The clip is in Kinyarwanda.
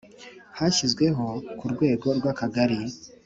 Hashyizweho ku rwego rw akagari